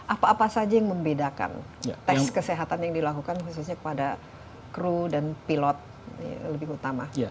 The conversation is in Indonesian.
apa apa saja yang membedakan tes kesehatan yang dilakukan khususnya kepada kru dan pilot lebih utama